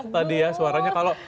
tadi ya suaranya kalau